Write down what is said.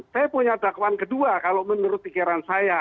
saya punya dakwaan kedua kalau menurut pikiran saya